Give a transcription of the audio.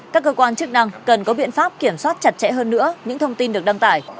các cơ quan chức năng cần có biện pháp kiểm soát chặt chẽ hơn nữa những thông tin được đăng tải